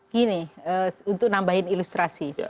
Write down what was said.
gini untuk nambahin ilustrasi